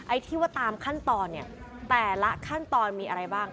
ไอ้ที่ว่าตามขั้นตอนเนี่ยแต่ละขั้นตอนมีอะไรบ้าง